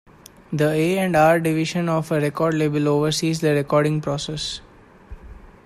The A and R division of a record label oversees the recording process.